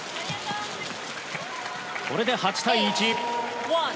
これで８対１。